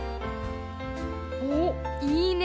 おっいいね！